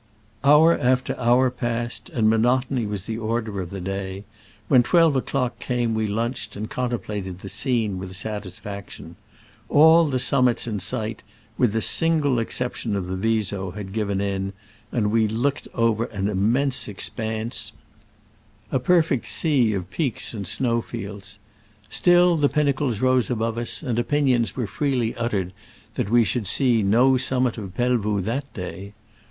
Hour after hour passed, and monotony was the order of the day : when twelve o'clock came we lunched, and contemplated the scene with satisfaction : all the summits in sight, with the single exception of the Viso, had given in, and we looked over an immense expanse — a perfect sea of GooQle Digitized by '8' 24 SCRAMBLES AMONGST THE ALPS IN i86o »69. peaks and snow fields. Still the pin nacles rose above us, and opinions were freely uttered that we should see no summit of Pelvoux that day.